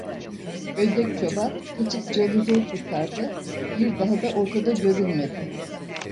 Ödlek çoban kaçıp canını zor kurtardı, bir daha da ortada görünmedi.